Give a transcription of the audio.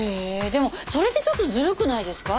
でもそれってちょっとずるくないですか？